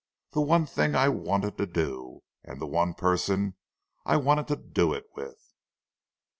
"The one thing I wanted to do, and the one person I wanted to do it with."